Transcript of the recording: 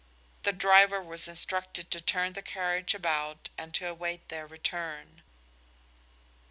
The driver was instructed to turn the carriage about and to await their return.